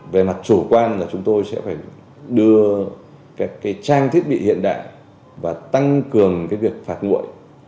về mặt chủ quan là chúng tôi sẽ phải đưa các trang thiết bị hiện đại và tăng cường việc phạt nguội